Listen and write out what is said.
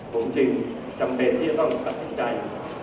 ผมจึงจำเป็นที่จะต้องตัดสินใจ